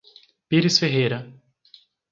Pires Ferreira